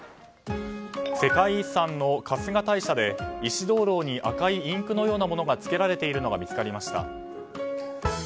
世界遺産の春日大社で石灯籠に赤いインクのようなものがつけられているのが見つかりました。